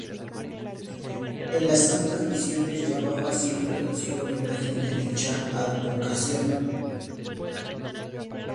En las santas misiones llevaba siempre consigo una imagen de dicha advocación.